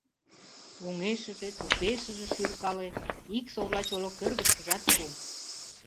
Оҥешыже, тупешыже шӱркале, ик совла чоло кӧргышкыжат пу.